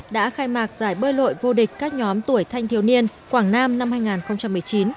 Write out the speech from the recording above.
đã khai mạc giải bơi lội vô địch các nhóm tuổi thanh thiếu niên quảng nam năm hai nghìn một mươi chín